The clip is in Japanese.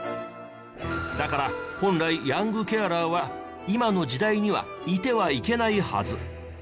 だから本来ヤングケアラーは今の時代にはいてはいけないはず。